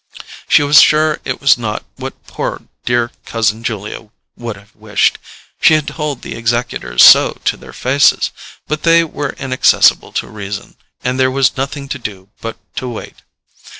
She was sure it was not what poor dear cousin Julia would have wished—she had told the executors so to their faces; but they were inaccessible to reason, and there was nothing to do but to wait.